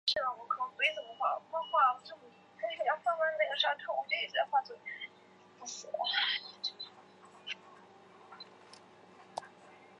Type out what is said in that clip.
李任与指挥顾福帅精骑出城掩击袭击。